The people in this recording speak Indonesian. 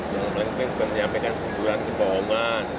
yang paling penting bukan menyampaikan seguran kebohongan